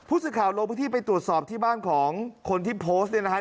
ผู้สื่อข่าวโลกพิธีไปตรวจสอบที่บ้านของคนที่โพสต์นี่นะครับ